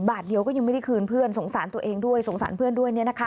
บาทเดียวก็ยังไม่ได้คืนเพื่อนสงสารตัวเองด้วยสงสารเพื่อนด้วย